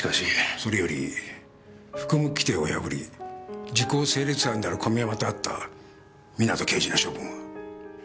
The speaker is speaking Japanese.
それより服務規程を破り時効成立犯である小見山と会った港刑事の処分は？